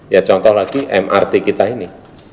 ya contoh lagi mrt kita ini